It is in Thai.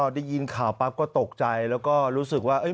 ได้ยินข่าวปั๊บก็ตกใจแล้วก็รู้สึกว่า